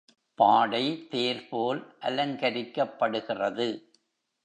பாடை தேர் போல் அலங்கரிக்கப்படுகிறது.